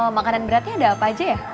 makanan beratnya ada apa aja ya